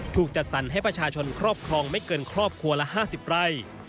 จัดสรรให้ประชาชนครอบครองไม่เกินครอบครัวละ๕๐ไร่